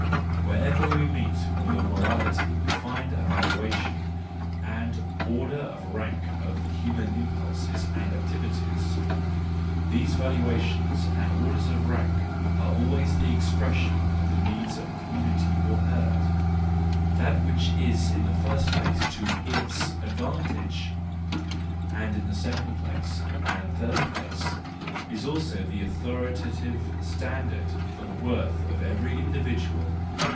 — Wherever we meet with a morality we find a valuation and order of rank of the human impulses and activities. These valuations and orders of rank are always the expression of the needs of a community or herd: that which is in the first place to its advantage— and in the second place and third place—is also the authoritative standard for the worth of every individual.